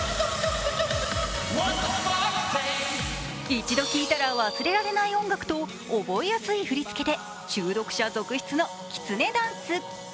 一度聴いたら忘れられない音楽と覚えやすい振り付けで中毒者続出のきつねダンス。